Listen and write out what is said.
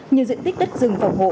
nhưng diện tích đất rừng phòng hộ